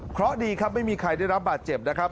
เพราะดีครับไม่มีใครได้รับบาดเจ็บนะครับ